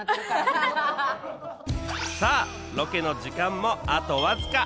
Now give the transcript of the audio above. さあロケの時間もあとわずか